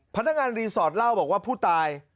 พนักงานรีสอร์ทเล่าบอกว่าผู้ตาย